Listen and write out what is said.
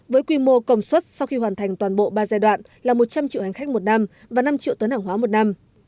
với quy mô công suất sau khi hoàn thành toàn bộ ba giai đoạn là một trăm linh triệu hành khách một năm và năm triệu tấn hàng hóa một năm